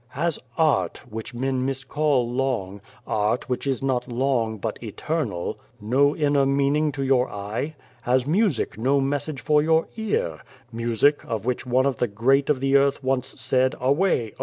" Has art, which men miscall long art, which is not long, but eternal no inner 103 The Face Beyond the Door meaning to your eye ? Has music no message for your ear? music, of which one of the great of the earth once said, 'Away!